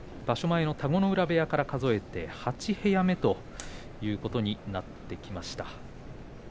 前の田子ノ浦部屋から数えて８部屋目ということになってきました。